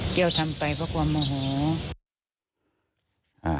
เปรี้ยวทำไปเพราะความโหม่อ